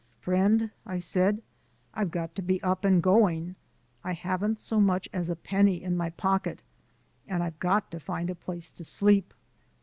"Friend," I said, "I've got to be up and going. I haven't so much as a penny in my pocket, and I've got to find a place to sleep."